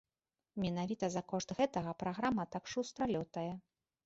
Менавіта за кошт гэтага праграма так шустра лётае.